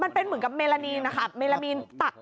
มันเป็นเหมือนกับเมลานีนะครับเมลานีตัก